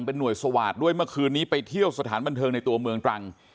หน่วยสวาสตร์ด้วยเมื่อคืนนี้ไปเที่ยวสถานบันเทิงในตัวเมืองตรัง